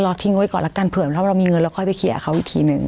ทิ้งไว้ก่อนแล้วกันเผื่อถ้าเรามีเงินเราค่อยไปเคลียร์เขาอีกทีหนึ่ง